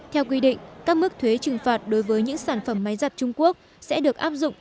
theo quy định các mức thuế trừng phạt đối với những sản phẩm máy giặt trung quốc sẽ được áp dụng